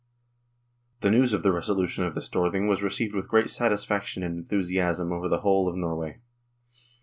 The news of the resolution of the Storthing was received with great satisfaction and enthusiasm over the whole of Norway.